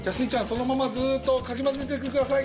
そのままずっとかきまぜててください。